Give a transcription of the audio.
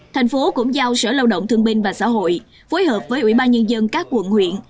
thành phố cũng giao sở lao động thương binh và xã hội phối hợp với ủy ban nhân dân các quận huyện